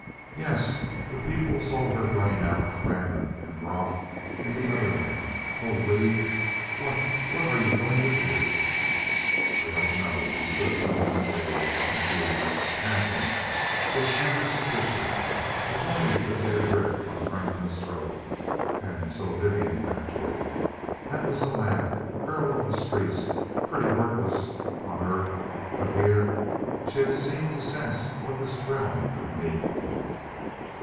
"Yes. The people saw her running out with Franklin, and Groff and the other men. Oh, Lee what what are you going to do?" "I don't know." He stood for a moment dazed, confused panting, his fingers twitching. If only he could get a grip on Franklin's throat. And so Vivian went too! That was a laugh girl of the streets, pretty worthless, on Earth. But here she had seemed to sense what this realm could mean.